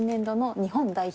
日本代表？